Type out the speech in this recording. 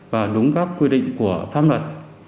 và đúng các quy định của pháp luật